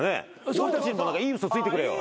俺たちにもいい嘘ついてくれよ。